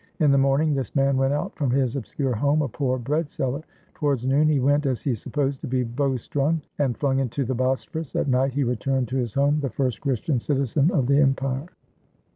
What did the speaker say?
In the morning, this man went out from his obscure home a poor bread seller. Towards noon, he went, as he supposed, to be bowstrung and flung into the Bosphorus. At night, he returned to his home the first Christian citizen of the empire.